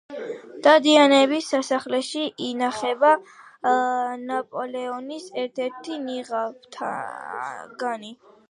დადიანების სასახლეში ინახება ნაპოლეონის ერთ-ერთი ნიღაბთაგანი